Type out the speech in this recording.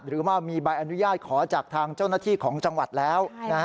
หรือว่ามีใบอนุญาตขอจากทางเจ้าหน้าที่ของจังหวัดแล้ว